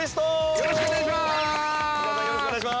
◆よろしくお願いします。